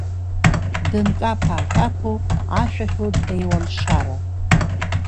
Дынкаԥа-аакаԥо, ашәа ҳәо днеиуан Шара.